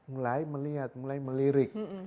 mulai melihat mulai melirik